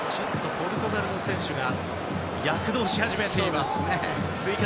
ポルトガルの選手が躍動し始めています。